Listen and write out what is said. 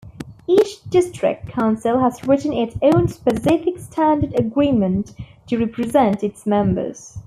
Each district council has written its own specific Standard Agreement to represent its members.